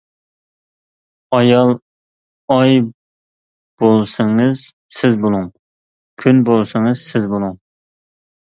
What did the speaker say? ئايال: ئاي بولسىڭىز سىز بۇلۇڭ، كۈن بولسىڭىز سىز بۇلۇڭ.